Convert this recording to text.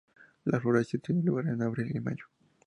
La floración tiene lugar en abril y mayo.